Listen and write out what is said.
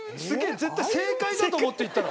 絶対正解だと思って言ったろ？